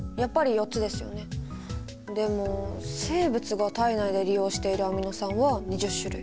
でも生物が体内で利用しているアミノ酸は２０種類。